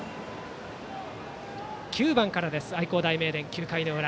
９番からです愛工大名電、９回の裏。